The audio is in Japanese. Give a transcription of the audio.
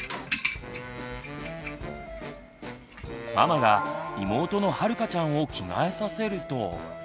ママが妹のはるかちゃんを着替えさせると。